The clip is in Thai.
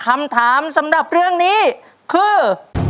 คำถามสำหรับเรื่องนี้คือ